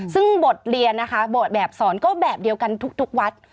ซึ่งบทเรียนนะคะบทแบบสอนก็แบบเดียวกันทุกวัด